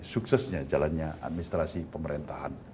suksesnya jalannya administrasi pemerintahan